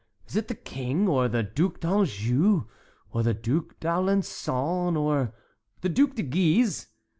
Is it the King, or the Duc d'Anjou, or the Duc d'Alençon, or the Duc de Guise?